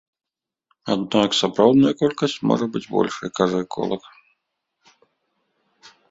Аднак сапраўдная колькасць можа быць большай, кажа эколаг.